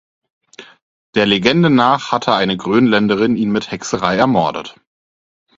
Der Legende nach hatte eine Grönländerin ihn mit Hexerei ermordet.